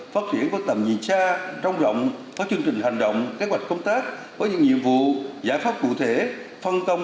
phát triển có tầm nhìn tra rong rộng có chương trình hành động kế hoạch công tác có những nhiệm vụ giải pháp cụ thể phân công